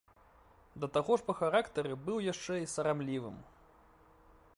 Да таго ж па характары быў яшчэ і сарамлівым.